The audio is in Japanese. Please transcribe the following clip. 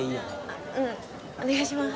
あっうんお願いします